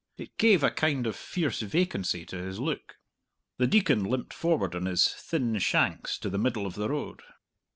It gave a kind of fierce vacancy to his look. The Deacon limped forward on his thin shanks to the middle of the road.